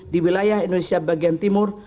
di wilayah indonesia bagian timur